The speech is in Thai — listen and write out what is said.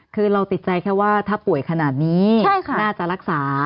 คือเราติดใจแค่ว่าถ้าป่วยขนาดนี้น่าจะรักษา